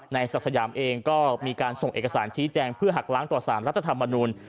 ศักดิ์สยามเองก็มีการส่งเอกสารชี้แจงเพื่อหักล้างต่อสารรัฐธรรมนุน